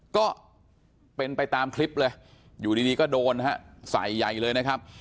ก็เป็นไปตามคลิปเลยอยู่ดีก็โดนฮะใส่ใหญ่เลยนะครับ